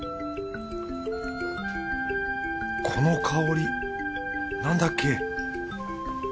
この香り何だっけ？